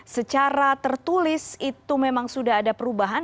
secara tertulis itu memang sudah ada perubahan